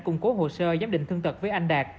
củng cố hồ sơ giám định thương tật với anh đạt